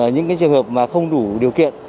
những cái trường hợp mà không đủ điều kiện